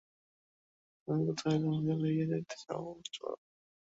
তুমি কোথায় আমাকে লইয়া যাইতে চাও, চলো-না।